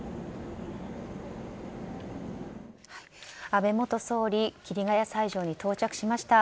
安倍元総理、桐ヶ谷斎場に到着しました。